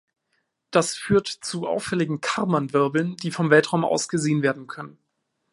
Das führt zu auffälligen Karman-Wirbeln, die vom Weltraum aus gesehen werden können.